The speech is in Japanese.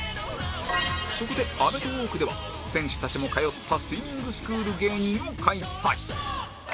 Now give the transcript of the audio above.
そこで『アメトーーク』では選手たちも通ったスイミングスクール芸人を開催